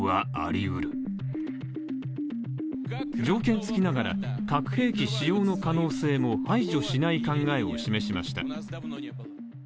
条件付きながら核兵器使用の可能性も排除しない考えを示しました。